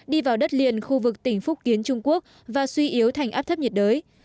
đi vào đất liền khu vực tỉnh phúc kiến trung quốc và suy yếu thành áp thấp nhiệt đới